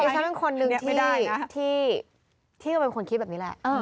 แต่ฉะนั้นคนหนึ่งที่ก็เป็นคนที่คิดแบบนี้แหละ